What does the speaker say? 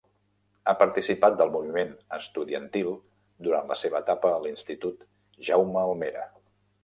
Ha participat del moviment estudiantil durant la seva etapa a l'Institut Jaume Almera.